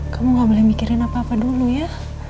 kamu gak boleh mikirin apa apa dulu ya